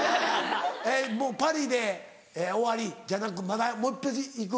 もうパリで終わり？じゃなくまだもう一遍行く？